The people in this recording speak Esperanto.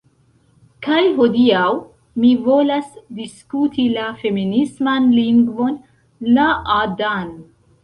Kaj hodiaŭ mi volas diskuti la feminisman lingvon, Láadan